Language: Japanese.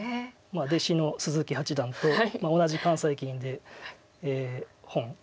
弟子の鈴木八段と同じ関西棋院で洪さん。